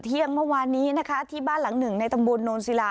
เที่ยงเมื่อวานนี้นะคะที่บ้านหลังหนึ่งในตำบลโนนศิลา